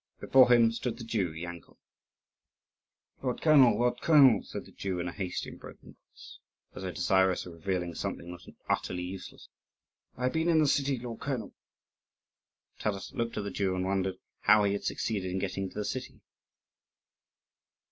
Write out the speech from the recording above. Before him stood the Jew, Yankel. "Lord colonel! lord colonel!" said the Jew in a hasty and broken voice, as though desirous of revealing something not utterly useless, "I have been in the city, lord colonel!" Taras looked at the Jew, and wondered how he had succeeded in getting into the city.